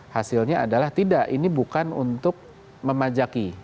hasilnya adalah tidak ini bukan untuk memajaki